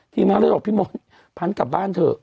ทีมหาแล้วเราก็บอกพี่มนต์พรรณกลับบ้านเถอะ